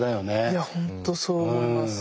いや本当そう思います。